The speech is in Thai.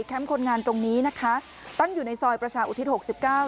คนงานตรงนี้นะคะตั้งอยู่ในซอยประชาอุทิศหกสิบเก้า